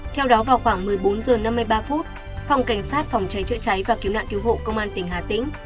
theo đó vào khoảng một mươi bốn h năm mươi ba phút phòng cảnh sát phòng cháy chữa cháy và cứu nạn cứu hộ công an tỉnh hà tĩnh